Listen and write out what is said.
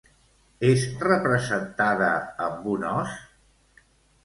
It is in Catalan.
És representada amb un os?